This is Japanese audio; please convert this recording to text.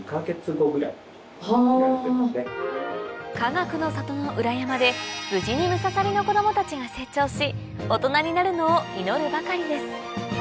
かがくの里の裏山で無事にムササビの子供たちが成長し大人になるのを祈るばかりです